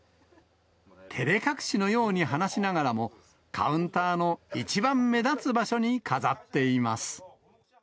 照れ隠しのように話しながらも、カウンターの一番目立つ場所に飾っています。